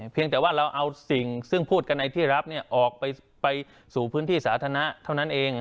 เพียงแต่ว่าเราเอาสิ่งซึ่งพูดกันในที่รับออกไปสู่พื้นที่สาธารณะเท่านั้นเอง